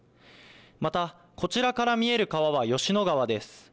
また、こちらから見える川は吉野川です。